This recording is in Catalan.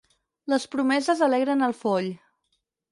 Les promeses alegren el foll.